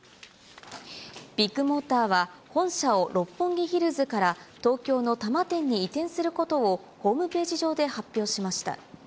ビッグモーターは、本社を六本木ヒルズから東京の多摩店に移転することを、ホームページ上で発表しました。